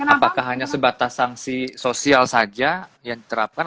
apakah hanya sebatas sanksi sosial saja yang diterapkan